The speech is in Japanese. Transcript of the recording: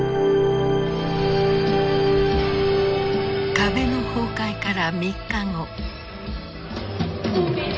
壁の崩壊から３日後。